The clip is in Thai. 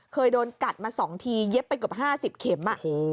เคยโดนกัดมาสองทีเย็บไปกว่า๕๐เข็ม